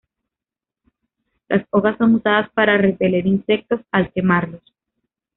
Las hojas son usadas para repeler insectos, al quemarlos.